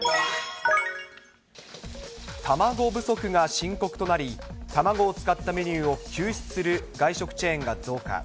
卵不足が深刻となり、卵を使ったメニューを休止する外食チェーンが増加。